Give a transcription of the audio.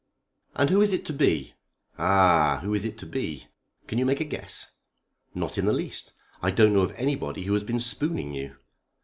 "And who is it to be?" "Ah, who is it to be? Can you make a guess?" "Not in the least. I don't know of anybody who has been spooning you."